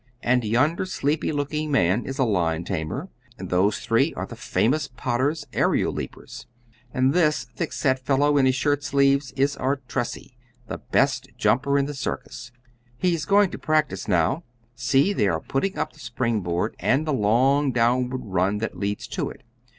And yonder sleepy looking man is a lion tamer; and those three are the famous Potters, aërial leapers; and this thick set fellow in his shirt sleeves is Artressi, the best jumper in the circus. He's going to practise now; see, they are putting up the spring board and the long downward run that leads to it.